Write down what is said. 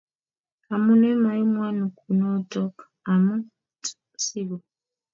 Amune maimwon kunotok amut usiku?